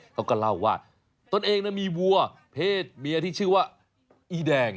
เขาก็เล่าว่าตนเองมีวัวเพศเมียที่ชื่อว่าอีแดง